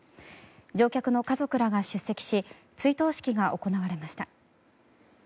乗客の家族らが出席し追悼式が行われました。